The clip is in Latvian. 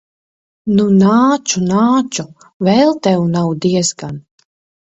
Nu, nāču, nāču. Vēl tev nav diezgan.